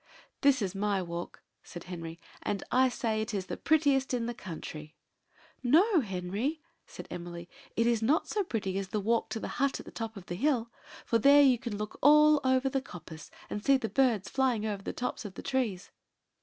"This is my walk," said Henry; "and I say it is the prettiest in the country." "No, Henry," said Emily; "it is not so pretty as the walk to the hut at the top of the hill: for there you can look all over the coppice, and see the birds flying over the tops of the trees."